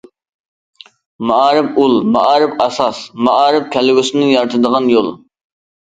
مائارىپ ئۇل، مائارىپ ئاساس، مائارىپ كەلگۈسىنى يارىتىدىغان يول.